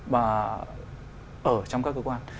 và ở trong các cơ quan